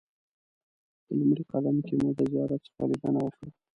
په لومړي قدم کې مو د زیارت څخه لیدنه وکړه.